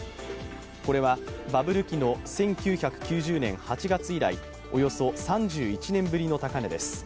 これはバブル期の１９９０年８月以来、およそ３１年ぶりの高値です。